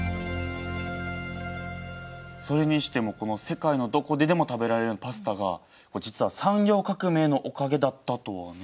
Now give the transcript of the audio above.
それにしても世界のどこででも食べられるようになったパスタが実は産業革命のおかげだったとはね。